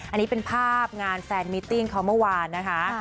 อันนี้เป็นภาพงานแฟนมิติ้งเขาเมื่อวานนะคะ